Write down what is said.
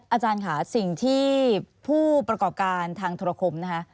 อาจารย์ค่ะสิ่งที่ผู้ประกอบการทางธุรคมนะคะ